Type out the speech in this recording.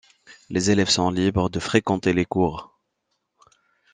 Les élèves sont libres de fréquenter les cours.